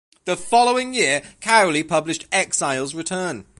The following year Cowley published "Exile's Return".